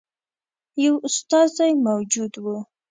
یو استازی موجود وو.